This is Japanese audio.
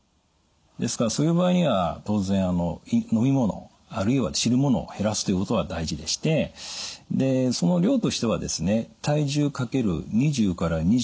ですからそういう場合には当然飲み物あるいは汁物を減らすということが大事でしてでその量としてはですね体重×２０２５ｍＬ